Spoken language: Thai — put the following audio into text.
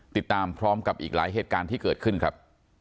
ติดตามพร้อมกับอีกหลายเหตุการณ์ที่เกิดขึ้นครับ